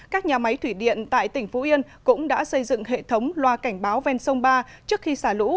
các nhà máy thủy điện tại tỉnh phú yên cũng đã xây dựng hệ thống loa cảnh báo ven sông ba trước khi xả lũ